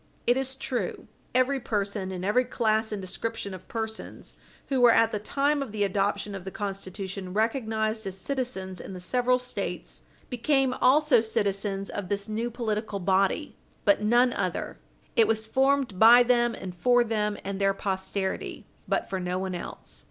It is true, every person, and every class and description of persons who were, at the time of the adoption of the Constitution, recognised as citizens in the several States became also citizens of this new political body, but none other; it was formed by them, and for them and their posterity, but for no one else.